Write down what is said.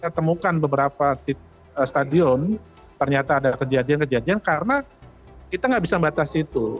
kita temukan beberapa stadion ternyata ada kejadian kejadian karena kita nggak bisa membatasi itu